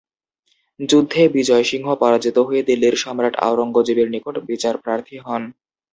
যুদ্ধে বিজয় সিংহ পরাজিত হয়ে দিল্লির সম্রাট আওরঙ্গজেবের নিকট বিচার প্রার্থী হন।